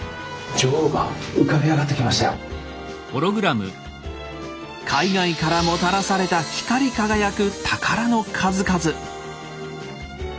あっ海外からもたらされた光り輝く宝の数々。